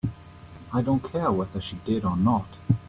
I don't care whether she did or not.